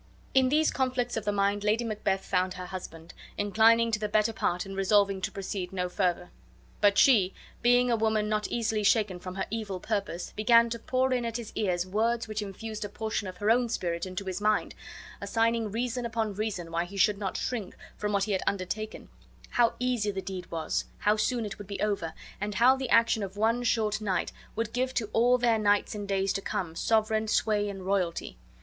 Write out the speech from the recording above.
In these conflicts of the mind Lady Macbeth found her husband inclining to the better part and resolving to proceed no further. But she, being a woman not easily shaken from her evil purpose, began to pour in at his ears words which infused a portion of her own spirit into his mind, assigning reason upon reason why he should not shrink from what he had undertaken; how easy the deed was; how soon it would be over; and how the action of one short night would give to all their nights and days to come sovereign sway and royalty!